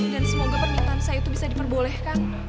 dan semoga permintaan saya itu bisa diperbolehkan